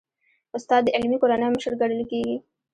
استاد د علمي کورنۍ مشر ګڼل کېږي.